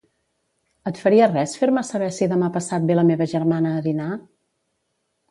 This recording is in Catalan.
Et faria res fer-me saber si demà passat ve la meva germana a dinar?